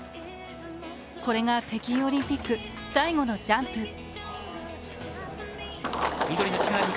これが北京オリンピック最後のジャンプ。